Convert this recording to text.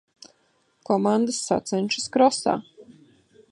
Komandas sacenšas krosā